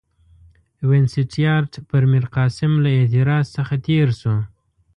وینسیټیارټ پر میرقاسم له اعتراض څخه تېر شو.